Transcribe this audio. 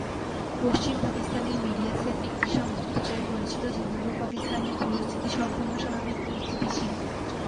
পশ্চিম পাকিস্তানের media cell একটি সংবাদ প্রচার করছিল যে পূর্ব পাকিস্তানের পরিস্থিতি সম্পূর্ণ স্বাভাবিক ও স্থিতিশীল।